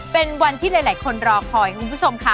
เป็นวันที่หลายคนรอคอยคุณผู้ชมค่ะ